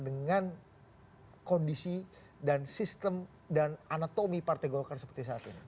dengan kondisi dan sistem dan anatomi partai golkar seperti saat ini